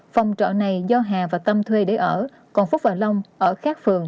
phòng trọ này do hà và tâm thuê để ở còn phúc và long ở các phường